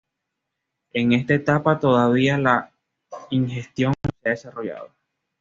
En esta etapa todavía la ingestión no se ha desarrollado.